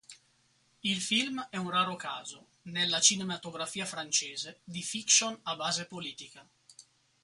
Il film è un raro caso, nella cinematografia francese, di fiction a base politica.